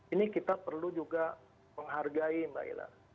ini kita perlu juga menghargai mbak ila